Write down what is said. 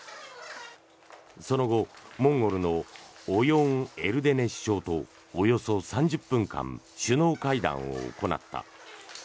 その後、モンゴルのオヨーンエルデネ首相とおよそ３０分間首脳会談を行った。